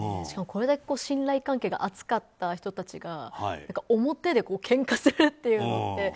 しかもこれだけ信頼関係が厚かった人たちが表でけんかするっていうのって。